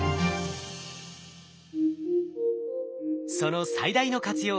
その最大の活用